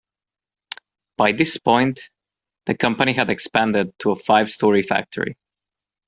By this point, the company had expanded to a five-story factory.